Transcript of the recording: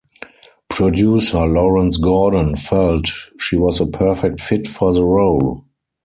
Producer Lawrence Gordon felt she was a perfect fit for the role.